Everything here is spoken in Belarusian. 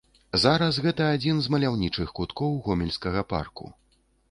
Зараз гэта адзін з маляўнічых куткоў гомельскага парку.